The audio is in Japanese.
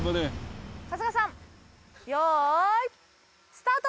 春日さん用意スタート！